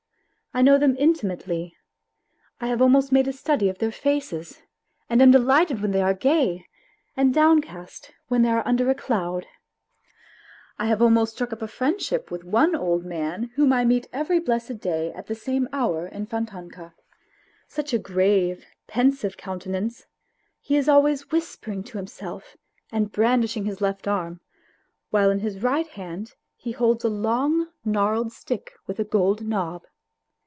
I know them intimately, I have almost made a study of their faces, and am delighted when they are gay, and downcast when they are under a cloud. I have almost struck up a friendship with one old man whom I meet every blessed day, at the same hour in Fontanka. Such a grave, pensive coun tenance ; he is alway whispering to himself and brandishing his B 2 WHITE NIGHTS left arm, while in his right hand he holds a long gnarled stick with a gold knob.